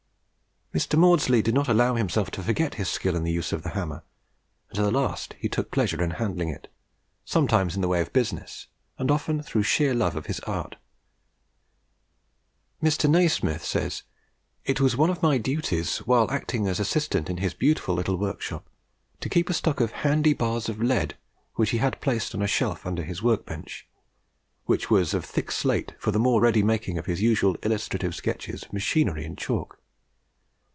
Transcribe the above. Mr. Maudslay did not allow himself to forget his skill in the use of the hammer, and to the last he took pleasure in handling it, sometimes in the way of business, and often through sheer love of his art. Mr Nasmyth says, "It was one of my duties, while acting as assistant in his beautiful little workshop, to keep up a stock of handy bars of lead which he had placed on a shelf under his work bench, which was of thick slate for the more ready making of his usual illustrative sketches of machinery in chalk.